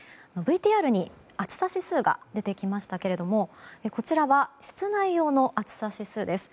ＶＴＲに暑さ指数が出てきましたがこちらは室内用の暑さ指数です。